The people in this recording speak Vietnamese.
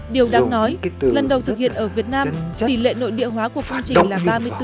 điều đáng nói lần đầu thực hiện ở việt nam tỷ lệ nội địa hóa của phong trình là ba mươi bốn